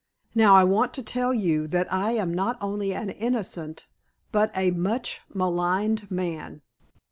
Now, I want to tell you that I am not only an innocent but a much maligned man.